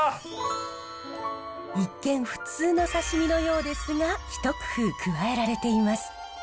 一見普通の刺身のようですが一工夫加えられています。